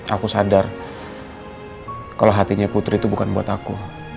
aku sadar kalau hatinya putri itu bukan buat aku